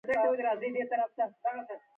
د امیر شېر علي خان وروستي مفصل لیک څخه.